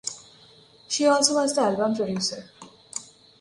She also was the album producer.